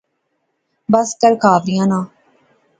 بس کر، کہاوریاں ناں